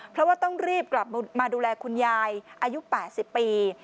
เพราะว่าต้องรีบกลับมาดูแลคุณยายอายุ๘๐ปี